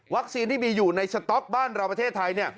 วัคซีนที่มีอยู่ในสต๊อกบ้านเราประเทศไทยเนี่ย